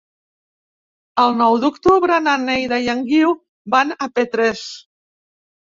El nou d'octubre na Neida i en Guiu van a Petrés.